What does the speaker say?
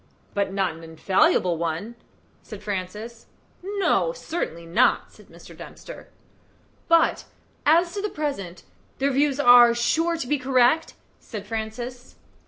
"But not an infallible one?" said Francis. "No; certainly not," said Mr. Dempster. "But, as to the present, their views are sure to be correct?" said Francis.